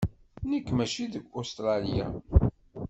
Nekk mačči seg Ustṛalya.